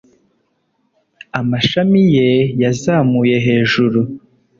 amashami ye yazamuye hejuru